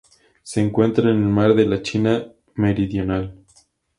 Se encuentra en el Mar de la China Meridional.